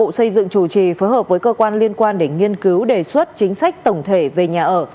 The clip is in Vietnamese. bộ xây dựng chủ trì phối hợp với cơ quan liên quan để nghiên cứu đề xuất chính sách tổng thể về nhà ở